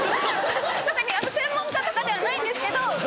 特に専門家とかではないんですけど！